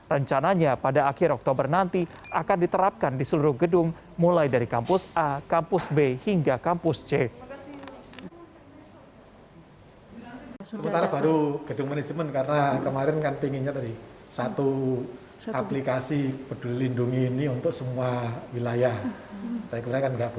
rencananya pada akhir oktober nanti akan diterapkan di seluruh gedung mulai dari kampus a kampus b hingga kampus c